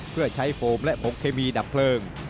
เพื่อใช้โฟมและผงเคมีดับเพลิง